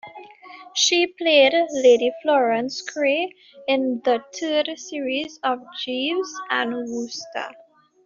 She played Lady Florence Craye in the third series of "Jeeves and Wooster".